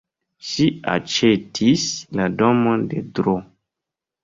Ŝi aĉetis la domon de Dro.